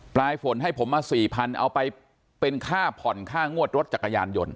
ปลายฝนให้ผมมา๔๐๐เอาไปเป็นค่าผ่อนค่างวดรถจักรยานยนต